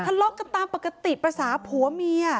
ถล๊อกกันตามปกติภาษาผัวเมียร์